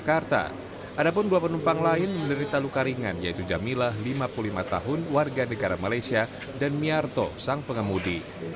ada pun dua penumpang lain menderita luka ringan yaitu jamilah lima puluh lima tahun warga negara malaysia dan miarto sang pengemudi